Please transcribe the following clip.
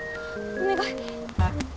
お願い。